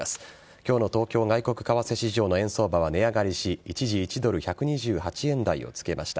今日の東京外国為替市場の円相場は値上がりし一時、１ドル１２９円台をつけました。